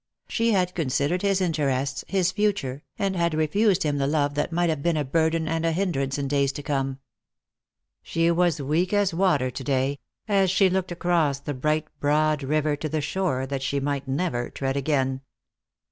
She had considered his interests, his future, and had refused him the love that might have been a burden and a hindrance in days to come. She was as weak as water to day, as she looked across the bright broad river to the shore that she might never tread again.